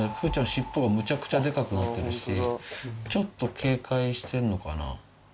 尻尾がむちゃくちゃデカくなってるしちょっと警戒してんのかな。